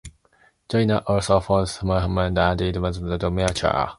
Joiner also fought Muhammad Ali twice as an amateur.